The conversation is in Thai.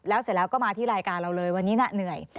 แล้วเสร็จแล้วก็มาที่รายการเราเลยวันนี้น่ะเหนื่อย